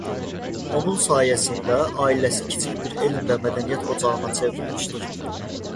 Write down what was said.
Onun sayəsində ailəsi kiçik bir elm və mədəniyyət ocağına çevrilmişdir.